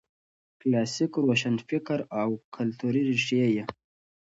کلاسیک روشنفکر او کلتوري ريښې یې